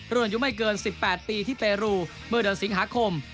รุ่นอายุไม่เกิน๑๘ปีที่เปรูเมื่อเดือนสิงหาคม